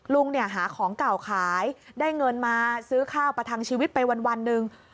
ลุงเนี่ยหาของเก่าขายได้เงินมาซื้อข้าวประทังชีวิตไปวันหนึ่ง